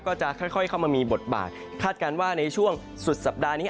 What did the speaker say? ก็จะค่อยเข้ามามีบทบาทคาดการณ์ว่าในช่วงสุดสัปดาห์นี้